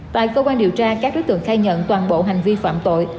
tại cơ quan điều tra các đối tượng khai nhận toàn bộ hành vi phạm tội